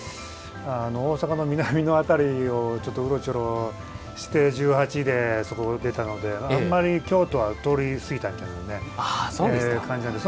大阪の南の辺りをちょっと、うろちょろして１８でそこを出たのであんまり京都は通り過ぎたみたいな感じなので。